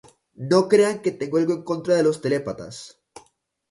No crean que tengo algo en contra de los telépatas